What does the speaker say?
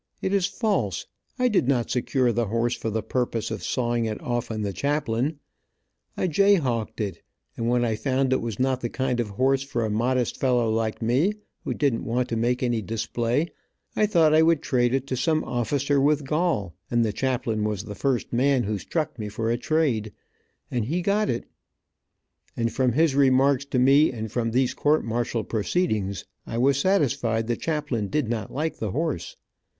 It is false. I did not secure the horse for the purpose of sawing it off on the chaplain. I jayhawked it, and when I found it was not the kind of a horse for a modest fellow like me, who didn't want to make any display, I thought I would trade it to some officer with gall, and the chaplain was the first man who struck me for a trade, and he got it, and from his remarks to me, and from these court martial proceedings, I was satisfied the chaplain did not like the horse."